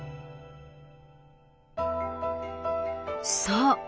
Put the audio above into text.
そう。